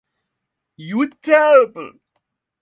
You were terrible!